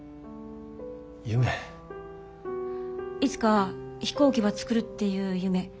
いつか飛行機ば作るっていう夢。